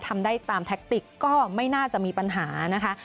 ทำได้ตามแท็กติกก็ไม่น่าจะมีปัญหานะคะ